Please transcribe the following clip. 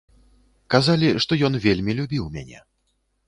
Казалі, што ён вельмі любіў мяне.